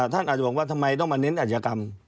ท่านอาจจะบอกว่าทำไมต้องมาเน้นอาชญากรรม